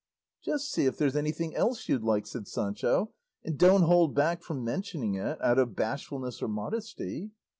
"Just see if there's anything else you'd like," said Sancho, "and don't hold back from mentioning it out of bashfulness or modesty."